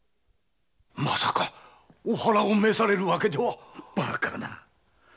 まさかお腹を召されるわけでは⁉バカな。